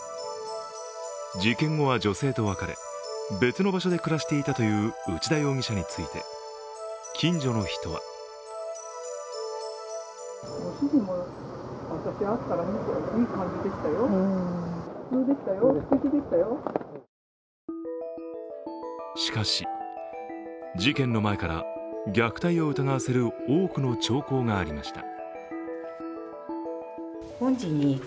事件後は女性と別れ別の場所で暮らしていたという内田容疑者について、近所の人はしかし、事件の前から虐待を疑わせる多くの兆候がありました。